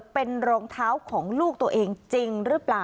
เป็นรองเท้าของลูกตัวเองจริงหรือเปล่า